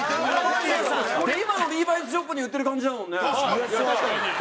今のＬＥＶＩ’Ｓショップに売ってる感じだもんね。